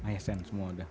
asn semua udah